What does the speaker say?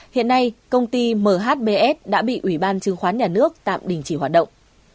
hiện nay công ty mhbs đã bị ủy ban chứng khoán nhà nước tạm đình chỉ hoạt động